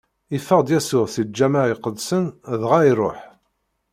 Iffeɣ-d Yasuɛ si lǧameɛ iqedsen dɣa iṛuḥ.